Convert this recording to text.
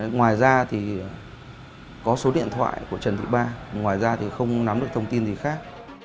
ngoài ra thì có số điện thoại của trần thị ba ngoài ra thì không nắm được thông tin gì khác